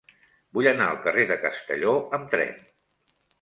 Vull anar al carrer de Castelló amb tren.